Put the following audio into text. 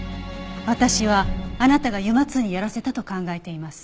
私はあなたがＵＭＡ−Ⅱにやらせたと考えています。